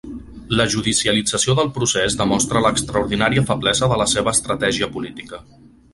La judicialització del procés demostra l’extraordinària feblesa de la seva estratègia política.